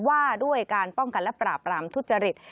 ว่าด้วยการป้องกันและปราบรามทุจริต